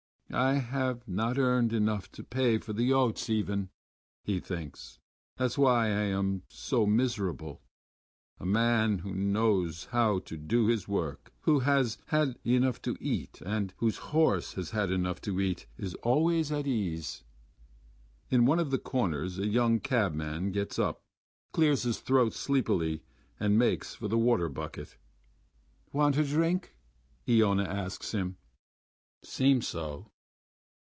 "I have not earned enough to pay for the oats, even," he thinks. "That's why I am so miserable. A man who knows how to do his work,... who has had enough to eat, and whose horse has had enough to eat, is always at ease...." In one of the corners a young cabman gets up, clears his throat sleepily, and makes for the water bucket. "Want a drink?" Iona asks him. "Seems so."